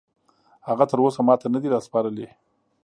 هغه تراوسه ماته نه دي راسپارلي